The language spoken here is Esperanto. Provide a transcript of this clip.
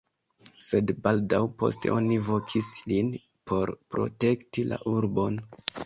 Sed baldaŭ poste oni vokis lin por protekti la urbon.